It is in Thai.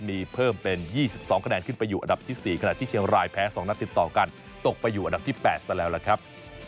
มีเพิ่มเป็น๒๒คะแนนขึ้นไปอยู่อันดับที่๔ขณะที่เชียงรายแพ้๒นัดติดต่อกันตกไปอยู่อันดับที่๘ซะแล้วล่ะครับ